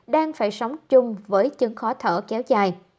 đang phải sống chung với chứng khó thở kéo dài